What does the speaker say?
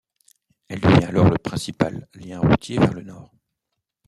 Elle devient alors le principal lien routier vers le nord.